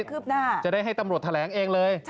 คือหลังจากนี้จะได้ให้ตำรวจแถลงเองเลย